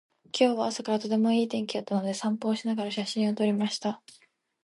今日は朝からとてもいい天気だったので、散歩をしながら写真を撮りました。